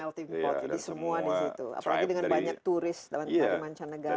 melting pot jadi semua di situ apalagi dengan banyak turis dari banyak banyak negara